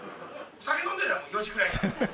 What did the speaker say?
酒飲んでるの、４時ぐらいから。